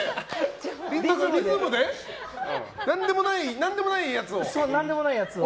何でもないやつを、音を。